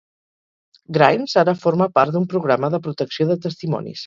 Grimes ara forma part d'un programa de protecció de testimonis.